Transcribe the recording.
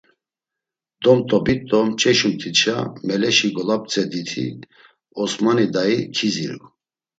Domt̆obit do mç̌eşumt̆itşa meleşi golap̌tzediti Osmani dayi kiziru.